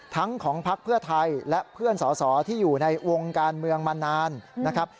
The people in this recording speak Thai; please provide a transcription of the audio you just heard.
ทั้งของพักเพื่อไทยและเพื่อนสอสอที่อยู่ในวงการเมืองมานานนะครับ